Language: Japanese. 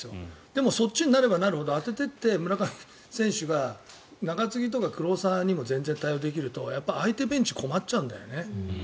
でも、そっちになればなるほど当てていって村上選手が中継ぎとかクローザーに対応できると相手ベンチ困っちゃうんだよね。